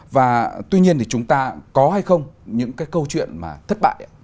và tuy nhiên chúng ta có hay không những câu chuyện thất bại